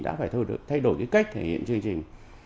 đã phải thay đổi cái cách thể hiện chương trình